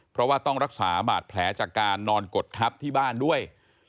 เพราะว่าต้องรักษาบาดแผลจากการนอนกดทับที่บ้านด้วย